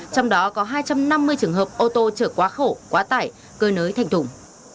trong đó có hai trăm năm mươi trường hợp ô tô chở quá khổ quá tải cơ nới thành thủng